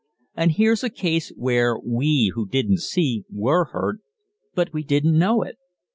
And here's a case where we who didn't see, were hurt, but we didn't know it.